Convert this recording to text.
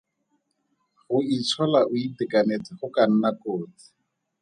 Go itshola o itekanetse go ka nna kotsi.